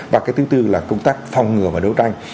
và cái thứ tư là công tác phòng ngừa và đấu tranh